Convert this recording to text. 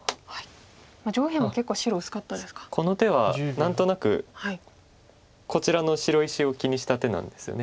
この手は何となくこちらの白石を気にした手なんですよね。